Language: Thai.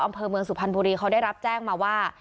อำเภอเมืองสุพรรณบุรีเขาได้รับแจ้งมาว่า